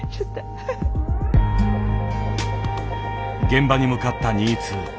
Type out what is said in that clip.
現場に向かった新津。